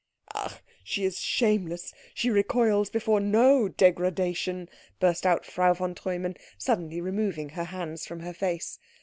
"Ach, she is shameless she recoils before no degradation!" burst out Frau von Treumann, suddenly removing her hands from her face.